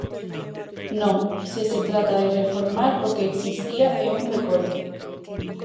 Non, se se trata de reformar o que existía, é un recorte.